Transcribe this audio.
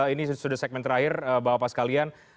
ini sudah segmen terakhir bahwa pas kalian